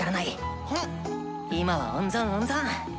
今は温存温存！